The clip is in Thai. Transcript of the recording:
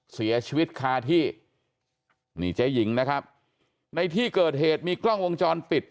เสียชีวิตคาที่นี่เจ๊หญิงนะครับในที่เกิดเหตุมีกล้องวงจรปิด